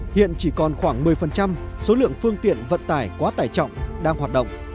hiện chỉ còn khoảng một mươi số lượng phương tiện vận tải quá tải trọng đang hoạt động